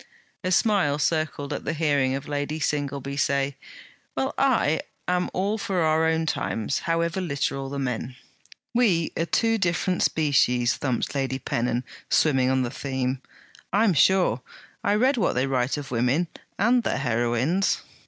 A smile circled at the hearing of Lady Singleby say: 'Well, I am all for our own times, however literal the men.' 'We are two different species!' thumped Lady Pennon, swimming on the theme. 'I am sure, I read what they write of women! And their heroines!'